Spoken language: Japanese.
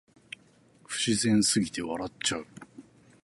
不自然すぎて笑っちゃう